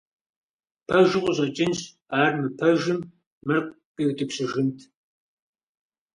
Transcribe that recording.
Пэжу къыщӀэкӀынщ, ар мыпэжым мыр къиутӀыпщыжынт?